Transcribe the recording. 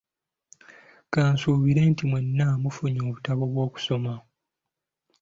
Kansuubire nti mwenna mufunye obutabo obwokusoma.